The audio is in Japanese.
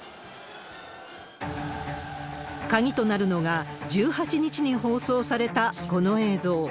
鍵となるのが、１８日に放送されたこの映像。